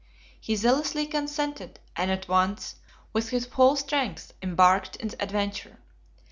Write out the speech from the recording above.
He zealously consented; and at once, with his whole strength, embarked in the adventure.